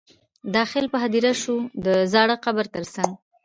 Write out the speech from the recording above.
داخل په هدیره شو د زاړه قبر تر څنګ.